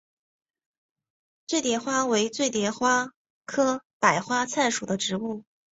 醉蝶花为醉蝶花科白花菜属的植物。